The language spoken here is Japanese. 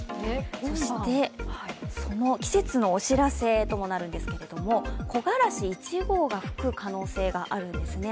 その季節のお知らせともなるんですけど木枯らし１号が吹く可能性があるんですね。